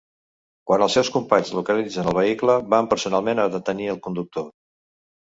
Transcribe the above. Quan els seus companys localitzen el vehicle va personalment a detenir al conductor.